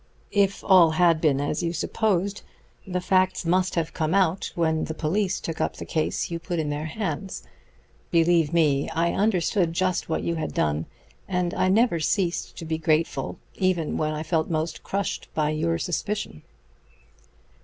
If all had been as you supposed, the facts must have come out when the police took up the case you put in their hands. Believe me, I understood just what you had done, and I never ceased to be grateful even when I felt most crushed by your suspicion."